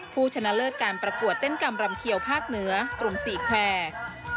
ผู้ชนะเลิศการประกวดเต้นกรรมรำเขียวภาคเหนือกลุ่ม๔แควร์